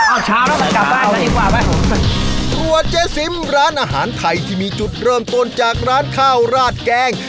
เอาเช้าแล้วล่ะกลับบ้านกันดีกว่าไหมตัวเจ๊ซิมร้านอาหารไทยที่มีจุดเริ่มต้นจากร้านข้าวราดแกง